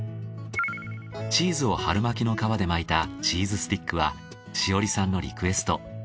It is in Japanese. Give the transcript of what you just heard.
チーズを春巻きの皮で巻いたチーズスティックは志織さんのリクエスト。